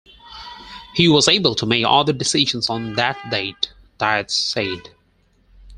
"He was able to make other decisions on that date," Dietz said.